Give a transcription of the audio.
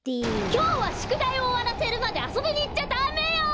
きょうはしゅくだいをおわらせるまであそびにいっちゃダメよ！